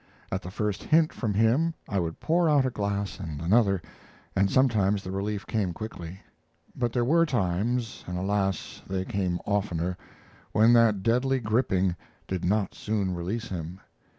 At the first hint from him I would pour out a glass and another, and sometimes the relief came quickly; but there were times, and alas! they came oftener, when that deadly gripping did not soon release him.